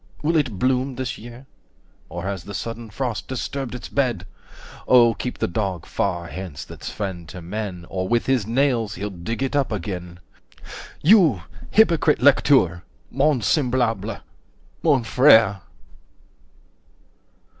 Will it bloom this year? Or has the sudden frost disturbed its bed? Oh keep the Dog far hence, that's friend to men, Or with his nails he'll dig it up again! 75 You! hypocrite lecteur!—mon semblable,—mon frère!"